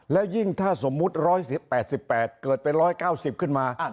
แล้วยิ่งถ้าสมมุติร้อยสิบแปดสิบแปดเกิดไปร้อยเก้าสิบขึ้นมา